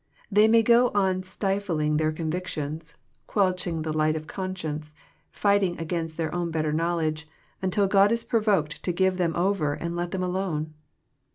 They may go on stifling their convictions, quenching the light of conscience, fighting against their own better knowledge, until God is provoked to give them over and let them alone.